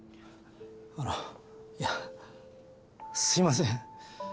あのいやすいません。